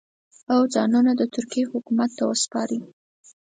او ځانونه د ترکیې حکومت ته وسپاري.